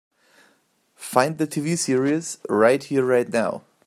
Find the TV series Right here right now